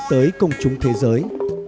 tới công chúng thế giới